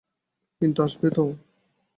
কিন্তু আসবে তো?